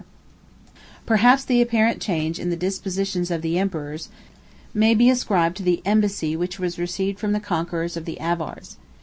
] Perhaps the apparent change in the dispositions of the emperors may be ascribed to the embassy which was received from the conquerors of the Avars.